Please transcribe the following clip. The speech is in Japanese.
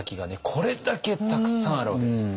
これだけたくさんあるわけです。